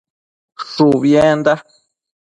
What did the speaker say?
Shubienda